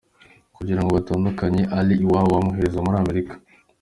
Kugira ngo babatandukanye Allie iwabo bamwohereza muri Amerika.